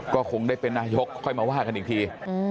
ก็คงได้เป็นนายกค่อยมาว่ากันอีกที